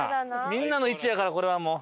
みんなの「１」やからこれはもう。